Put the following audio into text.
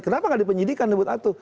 kenapa gak dipenyidikan nyebut itu